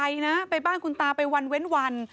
ว่าจอร์จไปนะไปบ้านคุณตาไปวันเว้นวัน